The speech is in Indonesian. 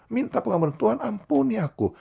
minta pengaman tuhan ampuni aku